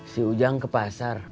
si ujang ke pasar